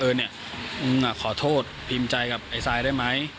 เนี่ยมึงขอโทษพิมพ์ใจกับไอ้ซายได้ไหม